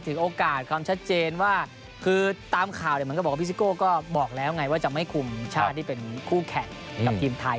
โอกาสความชัดเจนว่าคือตามข่าวเนี่ยเหมือนกับบอกว่าพี่ซิโก้ก็บอกแล้วไงว่าจะไม่คุมชาติที่เป็นคู่แข่งกับทีมไทย